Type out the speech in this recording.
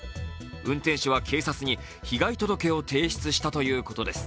運転手は警察に被害届を提出したということです。